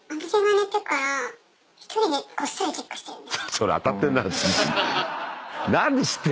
それ当たってんな。